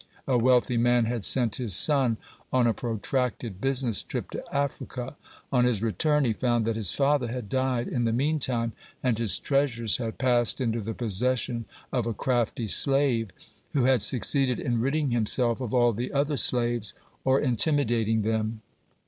A wealthy man had sent his son on a protracted business trip to Africa. On his return he found that his father had died in the meantime, and his treasures had passed into the possession of a crafty slave, who had succeeded in ridding himself of all the other slaves, or intimidating them.